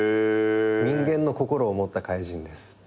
人間の心を持った怪人です。